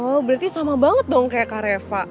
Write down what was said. oh berarti sama banget dong kayak kak reva